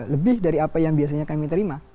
lebih dari apa yang biasanya kami terima